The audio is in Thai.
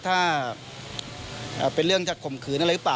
ถ้าเป็นเรื่องจะข่มขืนอะไรหรือเปล่า